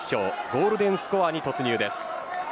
ゴールデンスコアに突入です。